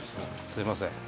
すみません。